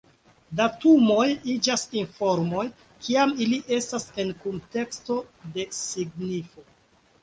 Datumoj iĝas informoj, kiam ili estas en kunteksto de signifo.